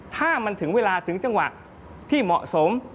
ถ้ามันถึงเวลาถึงจังหวะที่เหมาะสม